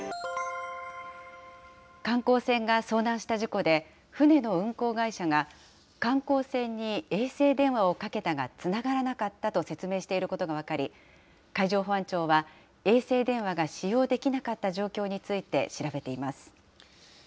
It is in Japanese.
観光船が遭難した事故で、船の運航会社が、観光船に衛星電話をかけたがつながらなかったと説明していることが分かり、海上保安庁は衛星電話が使用できなかった状況について調べています。